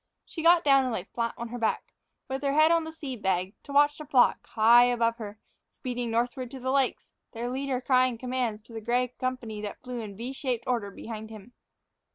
She got down and lay flat on her back, with her head on the seed bag, to watch the flock, high above her, speeding northward to the lakes, their leader crying commands to the gray company that flew in V shaped order behind him.